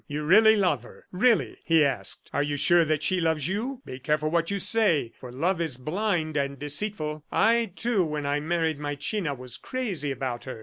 "You really love her, really?" he asked. "Are you sure that she loves you? Be careful what you say, for love is blind and deceitful. I, too, when I married my China was crazy about her.